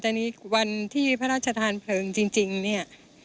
แต่วันที่พระราชาธารใบเผลิงจริงเนี่ย